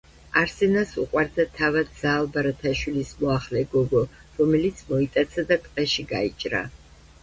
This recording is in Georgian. არსენას უყვარდა თავად ზაალ ბარათაშვილის მოახლე გოგო, რომელიც მოიტაცა და ტყეში გაიჭრა.